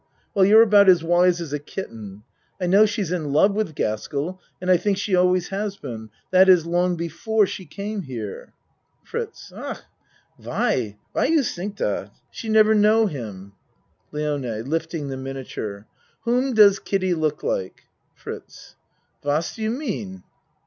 Well, you're about as wise as a kitten. I know she's in love with Gaskell and I think she always has been that is long before she came here. FRITZ Ach! Why? Why you tink dot? She 54 A MAN'S WORLD never know him. LIONE (Lifting the miniature.) Whom does Kiddie look like? FRITZ What do you mean?